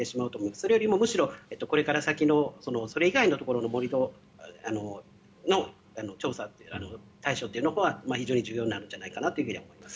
それよりもむしろ、これから先のそれ以外のところの盛り土の調査対処というのは重要になるんじゃないかなと思います。